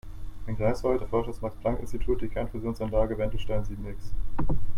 In Greifswald erforscht das Max-Planck-Institut die Kernfusionsanlage Wendelstein sieben-X.